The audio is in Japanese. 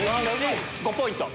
５ポイント。